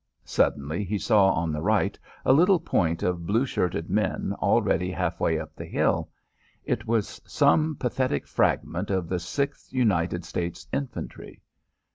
Suddenly he saw on the right a little point of blue shirted men already half way up the hill. It was some pathetic fragment of the Sixth United States Infantry.